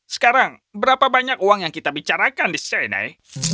sekarang berapa banyak uang yang kita bicarakan di chinai